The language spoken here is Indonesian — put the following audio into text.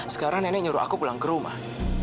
sekarang nenek nyuruh aku pulang ke rumah